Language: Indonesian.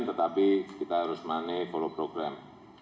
tetapi kita harus mengenai follow program